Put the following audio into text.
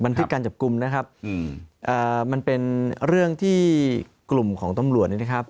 การจับกลุ่มนะครับมันเป็นเรื่องที่กลุ่มของตำรวจเนี่ยนะครับ